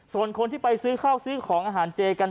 ส่วนคนที่ไปซื้อข้าวซื้อของอาหารเจกัน